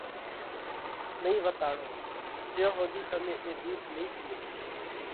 نئين وتاڙو جئيون ۿُوڌِي تمي اي ۮُوڌ نئين پِيئو۔